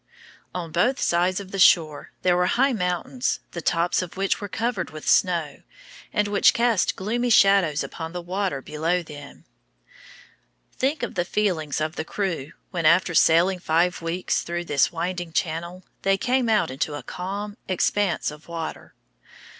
On both sides of the shore there were high mountains, the tops of which were covered with snow, and which cast gloomy shadows upon the water below them. [Illustration: Strait of Magellan.] Think of the feelings of the crew when, after sailing five weeks through this winding channel, they came out into a calm expanse of water.